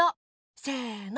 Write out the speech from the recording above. せの。